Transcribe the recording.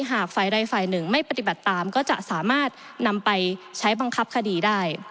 หากฝ่ายใดฝ่ายหนึ่งไม่ปฏิบัติตามก็จะสามารถนำไปใช้บังคับคดีได้